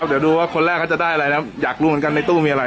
เดี๋ยวดูว่าคนแรกเขาจะได้อะไรแล้วอยากรู้เหมือนกันในตู้มีอะไร